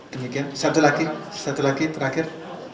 demikian satu lagi satu lagi terakhir